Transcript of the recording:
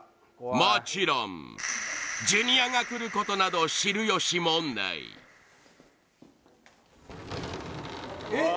もちろんジュニアが来ることなど知るよしもないえっ！